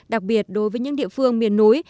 đặc biệt đối với những địa phương miền núi